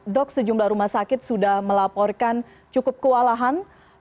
dok sejumlah rumah sakit sudah melaporkan cukup kewalahan